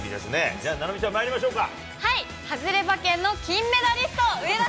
じゃあ、菜波ちゃんまいりましょうか。